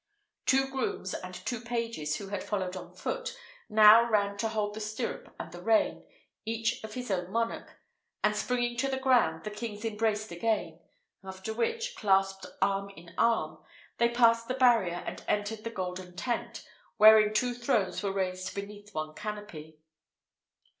Two grooms and two pages, who had followed on foot, now ran to hold the stirrup and the rein, each of his own monarch; and springing to the ground, the kings embraced again; after which, clasped arm in arm, they passed the barrier, and entered the golden tent, wherein two thrones were raised beneath one canopy.